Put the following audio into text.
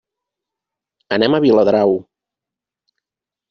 Anem a Viladrau.